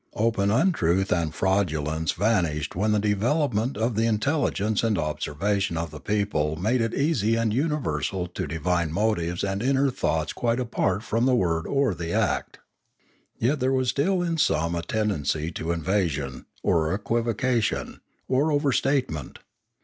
Open untruth and fraud ulence Ethics 573 vanished when the development of the intelligence and observation of the people made it easy and universal to divine motives and inner thoughts quite apart from the word or the act. Yet there was still in some a ten dency to evasion, or equivocation, or overstatement.